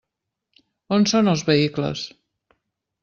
On són els vehicles?